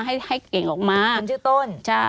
ให้เก่งออกมาคนชื่อต้น